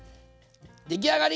出来上がり！